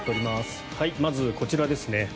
まず、こちらですね